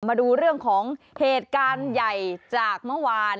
มาดูเรื่องของเหตุการณ์ใหญ่จากเมื่อวาน